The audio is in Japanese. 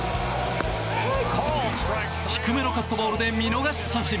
低めのカットボールで見逃し三振。